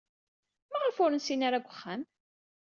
Maɣef ur nsin ara deg uxxam?